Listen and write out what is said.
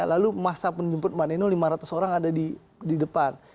lalu masa penjemput mbak neno lima ratus orang ada di depan